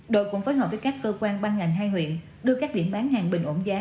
đội cũng phối hợp với các cơ quan ban ngành hai huyện đưa các điểm bán hàng bình ổn giá